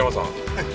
はい。